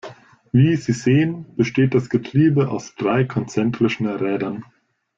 Wie Sie sehen, besteht das Getriebe aus drei konzentrischen Rädern.